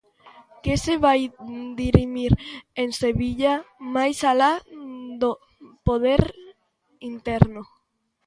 Que se vai dirimir en Sevilla, máis alá do poder interno?